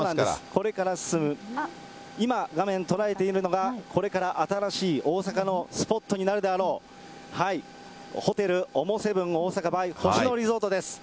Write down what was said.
これから進む、今、画面捉えているのが、これから新しい大阪のスポットになるであろう、ホテルＯＭＯ７バイ星野リゾートです。